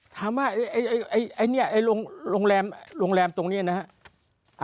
ถามว่าโรงแรมตรงนี้นะฮะ